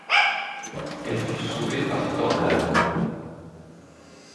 Elle fut sauvée par Tornade.